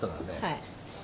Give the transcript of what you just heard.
はい。